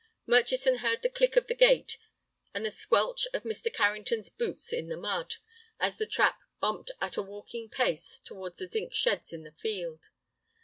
Murchison heard the click of the gate, and the squelch of Mr. Carrington's boots in the mud, as the trap bumped at a walking pace towards the zinc sheds in the field.